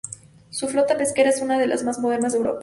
Su flota pesquera es una de las más modernas de Europa.